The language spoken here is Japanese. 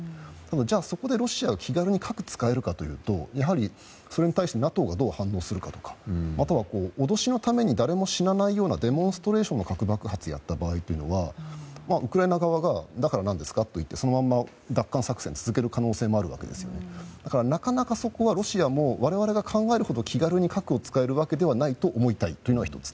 じゃあ、そこでロシアが気軽に核を使えるかというとやはり、それに対してＮＡＴＯがどう反応するかとかあとは脅しのために誰も死なないようなデモンストレーションのための核爆発をやった場合はウクライナ側がだから、何ですかと言ってそのまま奪還作戦を続ける可能性もあるので、ロシアが我々が考えるほど気軽に核を使えるわけではないと思いたいというのが１つ。